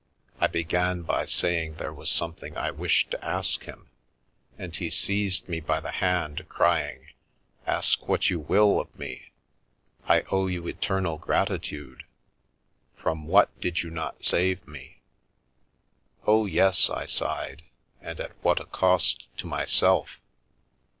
I began by saying there was something I wished to ask him, and he seized me by the hand, crying :' Ask what you will of me. I owe you eternal gratitude ! From what did you not save me !'' Oh, yes/ I sighed, ' and at what a cost to myself